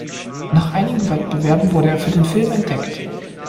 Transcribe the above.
Nach einigen Wettbewerben wurde er für den Film entdeckt.